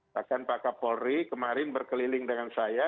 bahkan pak kapolri kemarin berkeliling dengan saya